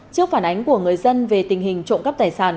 trước phản ánh của người dân về tình hình trộm cắp tài sản